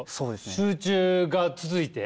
集中が続いて？